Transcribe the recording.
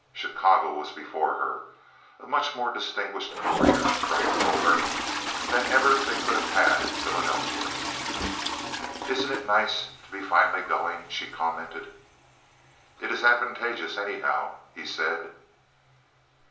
Chicago was before her—a much more distinguished career, Frank told her, than ever they could have had in Philadelphia. "Isn't it nice to be finally going?" she commented. "It is advantageous, anyhow," he said.